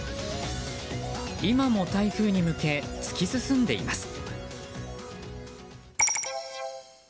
今も台風に向け突き進んでいます。